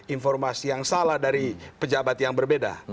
informasi yang salah dari pejabat yang berbeda